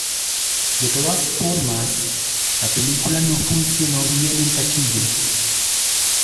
De todas formas, la película no funcionó bien en taquilla.